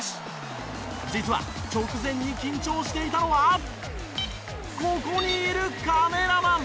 実は直前に緊張していたのはここにいるカメラマン。